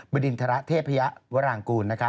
บดินทรเทพยะวรางกูล